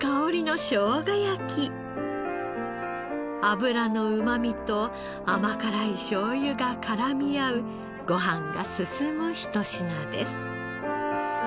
脂のうまみと甘辛いしょうゆが絡み合うご飯が進むひと品です。